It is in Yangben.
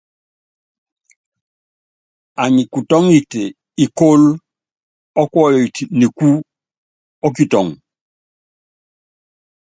Anyi kutɔ́ŋitɛ ikóló ɔ́kuɔyit nikú ɔ́ kitɔŋ.